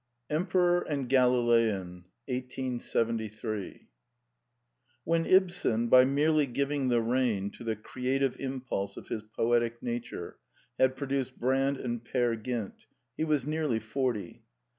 Emperor and Galilean 1873 When Ibsen, by merely giving the rein to the creative impulse of his poetic nature, had pro duced Brand and Peer Gynt, he was nearly forty.